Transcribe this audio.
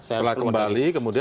setelah kembali kemudian